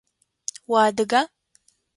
Уадыга?